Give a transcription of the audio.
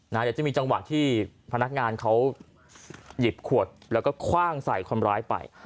เดี๋ยวจะมีจังหวะที่พนักงานเขาหยิบขวดแล้วก็คว่างใส่คนร้ายไป